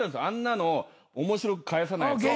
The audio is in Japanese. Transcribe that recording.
「あんなの面白く返さないと」